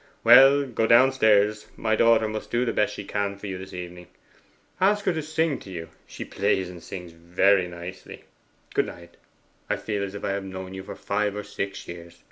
'Well, go downstairs; my daughter must do the best she can with you this evening. Ask her to sing to you she plays and sings very nicely. Good night; I feel as if I had known you for five or six years.